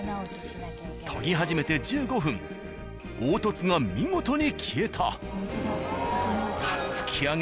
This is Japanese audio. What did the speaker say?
研ぎ始めて１５分凹凸が見事に消えた。